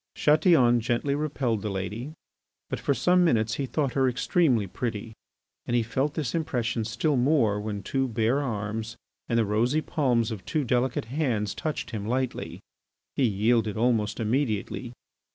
Chatillon gently repelled the lady. But for some minutes he thought her extremely pretty, and he felt this impression still more when two bare arms and the rosy palms of two delicate hands touched him lightly. He yielded almost immediately.